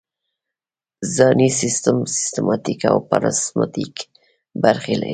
ځانی سیستم سمپاتیتیک او پاراسمپاتیتیک برخې لري